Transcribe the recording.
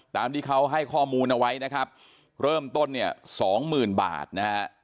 ตามที่เขาให้ข้อมูลเอาไว้นะครับเริ่มต้นเนี่ยสองหมื่นบาทนะฮะ